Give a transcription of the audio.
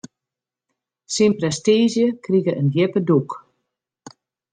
Syn prestiizje krige in djippe dûk.